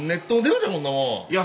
いや。